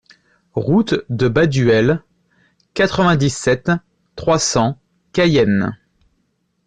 Route de Baduel, quatre-vingt-dix-sept, trois cents Cayenne